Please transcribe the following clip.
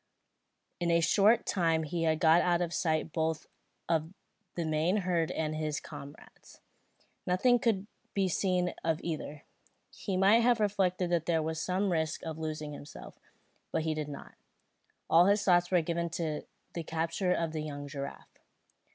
In a short time he had got out of sight both of the main herd and his comrades. Nothing could be seen of either. He might have reflected that there was some risk of losing himself; but he did not. All his thoughts were given to the capture of the young giraffe.